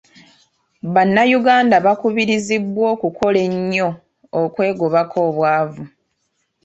Abannayuganda bakubirizibwa okukola ennyo, okwegobako obwavu .